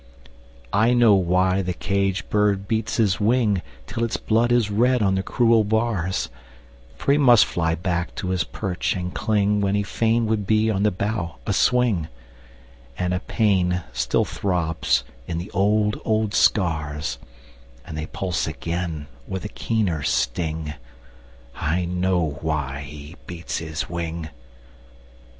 I know why the caged bird beats his wing Till its blood is red on the cruel bars; For he must fly back to his perch and cling When he fain would be on the bough a swing; And a pain still throbs in the old, old scars And they pulse again with a keener sting I know why he beats his wing!